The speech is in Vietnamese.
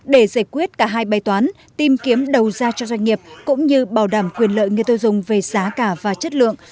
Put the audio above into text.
để giải quyết cả hai bày toán tìm kiếm đầu ra cho doanh nghiệp cũng như bảo đảm quyền lợi người tiêu dùng về giá cả và chất lượng